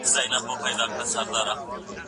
هغه وويل چي خواړه ورکول مهم دي